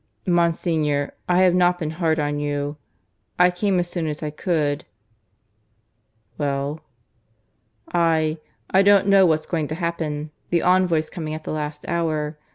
"Monsignor, I have not been hard on you. ... I came as soon as I could. ..." "Well?" "I ... I don't know what's going to happen. The envoy's coming at the last hour.